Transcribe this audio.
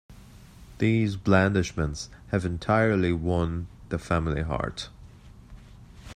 These blandishments have entirely won the family heart.